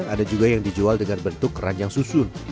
ada juga yang dijual dengan bentuk keranjang susun